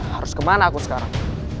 harus kemana aku sekarang